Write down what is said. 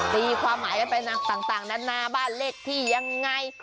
ตีความหมายเป็นต่างด้านหน้าบ้านเลขที่ยังไง